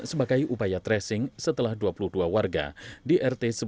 sebagai upaya tracing setelah dua puluh dua warga di rt sebelas